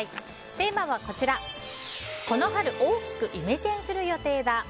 テーマは、この春大きくイメチェンする予定だ。